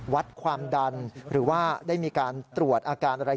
วัดความดันหรือว่าได้มีการตรวจอาการอะไร